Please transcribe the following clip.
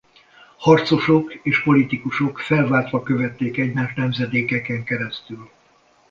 Harcosok és politikusok felváltva követték egymást nemzedékeken keresztül.